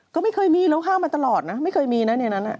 ก็ไม่เคยมีแล้วห้ามมาตลอดนะไม่เคยมีนะในนั้น